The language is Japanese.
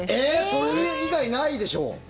それ以外ないでしょう？